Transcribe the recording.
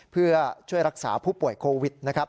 เพื่อช่วยรักษาผู้ป่วยโควิดนะครับ